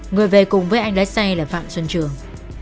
người về cùng với anh lái xe là phạm xuân trường